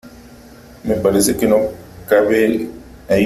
Me parece que no cabe ahí.